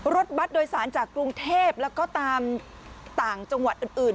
รถบัตรโดยสารจากกรุงเทพแล้วก็ตามต่างจังหวัดอื่น